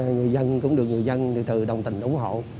người dân cũng được người dân đồng tình ủng hộ